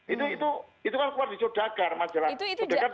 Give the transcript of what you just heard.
itu itu itu kan keluar di jodagar majalah